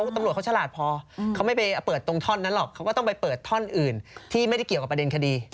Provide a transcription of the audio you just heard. ตำรวจเขาฉลาดพอเขาไม่ไปเปิดตรงท่อนนั้นหรอกเขาก็ต้องไปเปิดท่อนอื่นที่ไม่ได้เกี่ยวกับประเด็นคดี